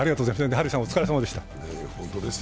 張さん、お疲れさまでした。